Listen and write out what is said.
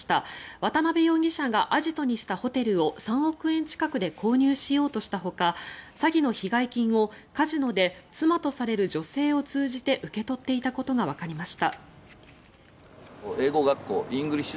渡邉容疑者がアジトにしたホテルを３億円近くで購入しようとしたほか詐欺の被害金をカジノで妻とされる女性を通じて受け取っていたことがわかりました。